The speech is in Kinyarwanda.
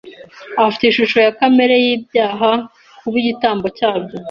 afite ishusho ya kamere y'ibyaha, kuba igitambo cya byo,